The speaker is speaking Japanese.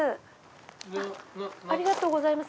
ありがとうございます。